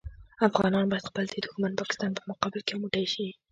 افغانان باید خپل د دوښمن پاکستان په مقابل کې یو موټی شي.